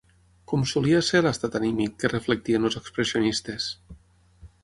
Com solia ser l'estat anímic que reflectien els expressionistes?